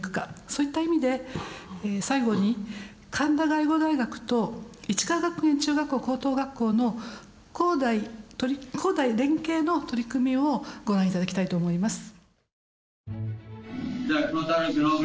そういった意味で最後に神田外語大学と市川学園中学校・高等学校の高大連携の取り組みをご覧頂きたいと思います。